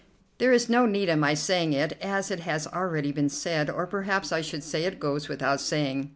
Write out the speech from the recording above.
"There is no need of my saying it, as it has already been said; or perhaps I should say 'it goes without saying.